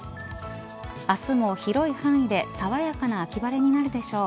明日も広い範囲でさわやかな秋晴れになるでしょう。